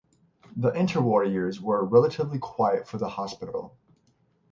The interwar years were relatively quiet for the hospital.